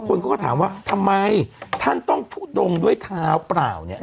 คนเขาก็ถามว่าทำไมท่านต้องทุดงด้วยเท้าเปล่าเนี่ย